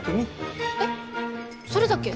えっそれだけ？